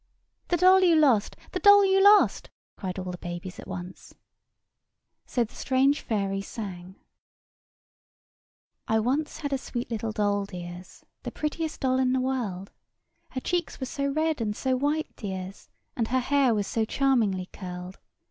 "The doll you lost! The doll you lost!" cried all the babies at once. [Picture: The doll] So the strange fairy sang:— I once had a sweet little doll, dears, The prettiest doll in the world; Her cheeks were so red and so white, dears, And her hair was so charmingly curled.